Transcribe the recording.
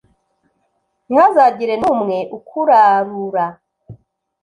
ntihazagire n’umwe ukurarura.